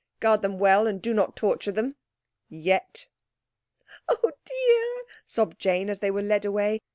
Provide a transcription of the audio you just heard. Guard them well, and do not torture them—yet!" "Oh, dear!" sobbed Jane, as they were led away.